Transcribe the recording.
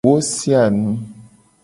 Wo sia nu.